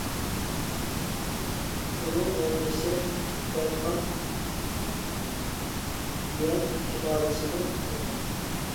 ئۇنىڭ نەۋرىسى قۇبلايخان يۈەن سۇلالىسىنى قۇرغان.